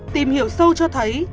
tìm hiểu sâu cho thấy